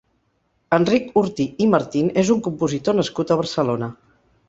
Enric Ortí i Martín és un compositor nascut a Barcelona.